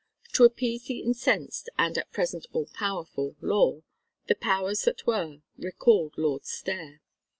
To appease the incensed and at present all powerful Law, the powers that were recalled Lord Stair.